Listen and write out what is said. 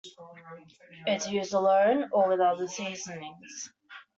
It is used alone or with other seasonings.